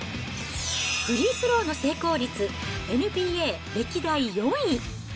フリースローの成功率、ＮＢＡ歴代４位。